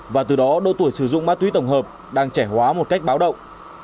và từ đó độ tuổi sử dụng ma túy tổng hợp đang trẻ hóa một cách báo động